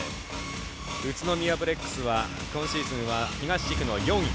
宇都宮ブレックスは今シーズンは東地区の４位。